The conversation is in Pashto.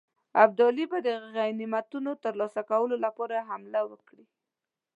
ابدالي به د غنیمتونو ترلاسه کولو لپاره حمله وکړي.